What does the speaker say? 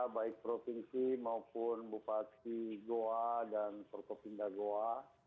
baik provinsi maupun bupati goa dan protopinda goa